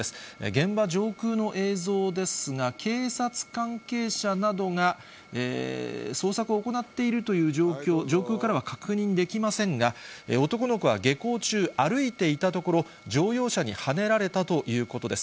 現場上空の映像ですが、警察関係者などが、捜索を行っているという状況、上空からは確認できませんが、男の子は下校中、歩いていたところ、乗用車にはねられたということです。